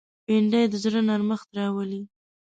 بېنډۍ د زړه نرمښت راولي